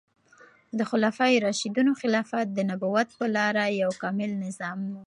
د خلفای راشدینو خلافت د نبوت په لاره یو کامل نظام و.